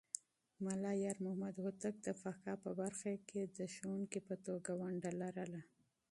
ملا يارمحمد هوتک د فقهه په برخه کې د استاد په توګه ونډه لرله.